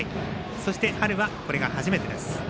そして、春はこれが初めてです。